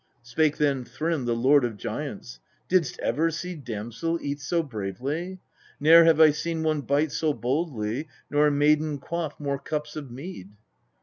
Spake then Thrym, the lord of giants, 1 Didst ever see damsel eat so bravely ? Ne'er have I seen one bite so boldly, nor a maiden quaff more cups of mead